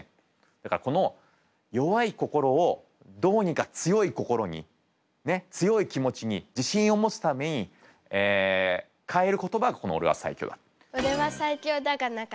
だからこの弱い心をどうにか強い心にねっ強い気持ちに自信を持つために変える言葉がこの「オレは最強だ！」。